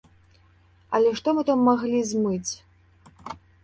Але што мы там маглі змыць!